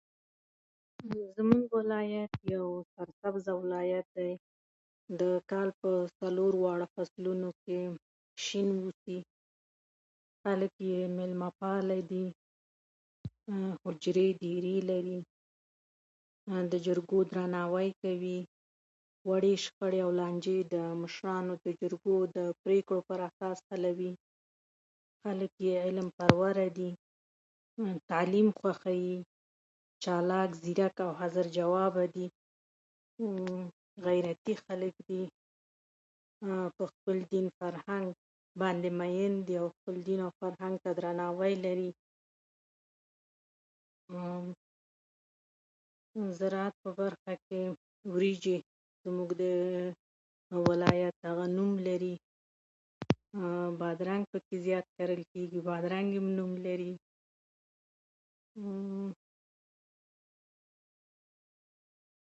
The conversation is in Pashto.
زه‌چې پوهنتون څخه فارغ شم ځانته په يو دولتي اداره کې دنده پيدا کوم